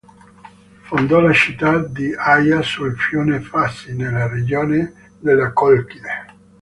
Fondò la città di Aia sul fiume Fasi, nella regione della Colchide.